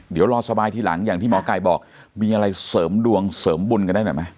เดี๋ยวรอสบายทีหลังอย่างที่หมอไก่บอกมีอะไรเสริมดวงเสริมบุญกันได้หน่อยไหม